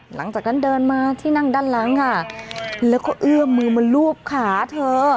หลังจากนั้นเดินมาที่นั่งด้านหลังค่ะแล้วก็เอื้อมมือมาลูบขาเธอ